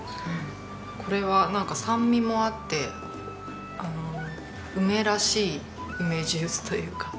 これはなんか酸味もあって梅らしい梅ジュースというか。